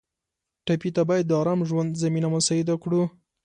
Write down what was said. ټپي ته باید د ارام ژوند زمینه مساعده کړو.